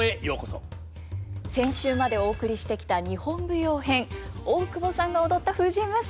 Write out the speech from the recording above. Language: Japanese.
先週までお送りしてきた日本舞踊編大久保さんが踊った「藤娘」